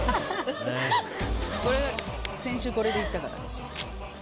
先週これでいったから、私。